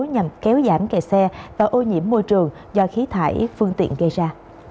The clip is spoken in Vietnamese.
nhằm kéo giảm kẹt xe và ô nhiễm môi trường do khí thải phương tiện gây ra